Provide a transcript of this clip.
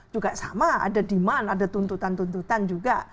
juga sama ada demand ada tuntutan tuntutan juga